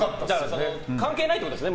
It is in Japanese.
関係ないってことですね